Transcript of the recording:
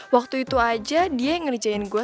waktu itu aja dia yang ngerjain gue